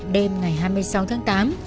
đêm ngày hai mươi sáu tháng tám